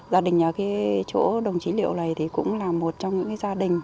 gia đình ở chỗ đồng chí liệu này cũng là một trong những gia đình